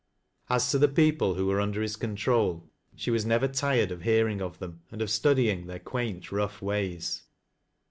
As to the people who were under his control, she was never tired of hearins: of them, and of studying their quaint, rough ways.